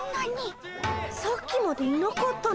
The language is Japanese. さっきまでいなかったのに。